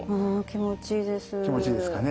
気持ちいいですかね。